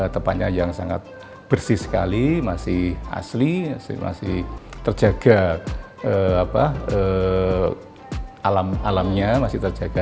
tempatnya yang sangat bersih sekali masih asli masih terjaga alamnya masih terjaga